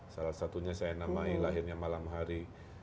salah satunya saya namai lahirnya malam hari